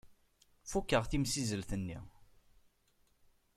Fukeɣ timsizzelt-nni.